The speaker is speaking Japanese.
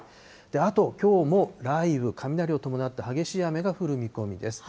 あときょうも、雷雨、雷を伴った激しい雨が降る見込みです。